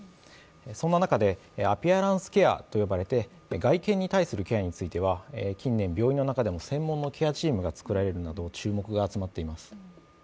そんな中でアピアランスケアと呼ばれて、外見に関するケアについては近年、病院の中でも専門のケアチームが作られるなど注目が集まっています。